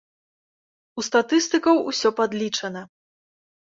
У статыстыкаў усё падлічана.